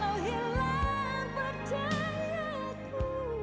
walau hilang percayaku